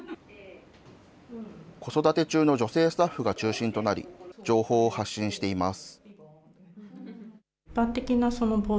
子育て中の女性スタッフが中心となり、情報を発信しています。